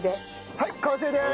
はい完成です！